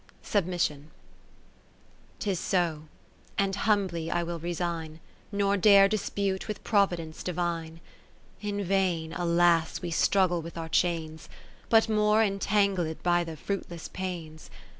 Submission 'Tis so, and humbly I will resign, Nor dare dispute with Providence Divine. In vain, alas ! we struggle with our chains, But more entangled by the fruitless pains.